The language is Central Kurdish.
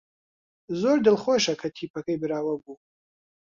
زۆر دڵخۆشە کە تیپەکەی براوە بوو.